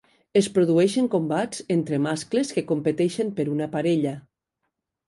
Es produeixen combats entre mascles que competeixen per una parella.